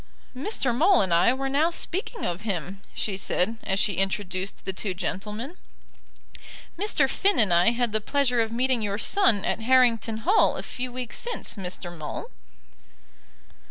"Mr. Maule and I were now speaking of him," she said, as she introduced the two gentlemen. "Mr. Finn and I had the pleasure of meeting your son at Harrington Hall a few weeks since, Mr. Maule."